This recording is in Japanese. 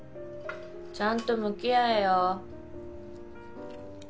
ちゃんと向き合えよ。